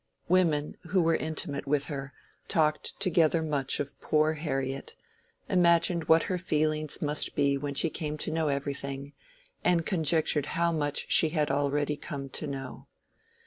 Women, who were intimate with her, talked together much of "poor Harriet," imagined what her feelings must be when she came to know everything, and conjectured how much she had already come to know.